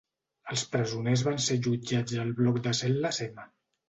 Els presoners van ser allotjats al bloc de cel·les M.